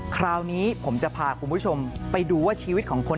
คราวนี้ผมจะพาคุณผู้ชมไปดูว่าชีวิตของคน